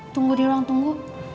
tunggu di ruang tunggu